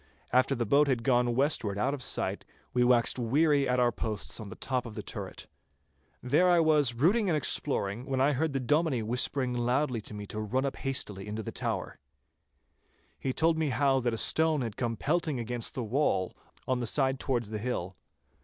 After the boat had gone westward out of sight, we waxed weary at our posts on the top of the turret. I went down to look at the cupboards of the chambers. There I was rooting and exploring, when I heard the Dominie whispering loudly to me to run up hastily into the tower. He told me how that a stone had come pelting against the wall, on the side towards the hill.